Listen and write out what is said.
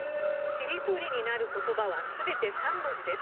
しりとりになる言葉は全て３文字です。